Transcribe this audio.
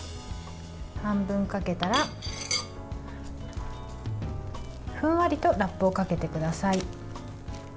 半分かけたら、ふんわりとラップをかけてください。